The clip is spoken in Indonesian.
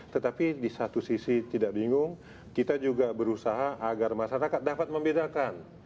tetapi di satu sisi tidak bingung kita juga berusaha agar masyarakat dapat membedakan